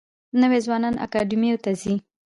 نوي ځوانان اکاډمیو ته ځي.